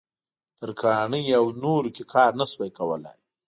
ترکاڼۍ او نورو کې کار نه شوای کولای.